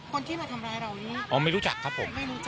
คนที่มาทำร้ายเรานี่ไม่รู้จักครับผม